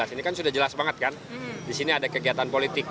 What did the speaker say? ini kan sudah jelas banget kan di sini ada kegiatan politik